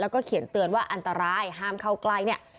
แล้วก็เขียนเตือนว่าอันตรายห้ามเข้าใกล้เนี่ย